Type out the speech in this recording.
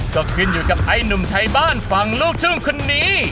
ก็ยืนอยู่กับไอ้นุ่มไทยบ้านฝั่งลูกชื่องคนนี้